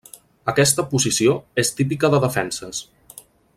Aquesta posició és típica de defenses.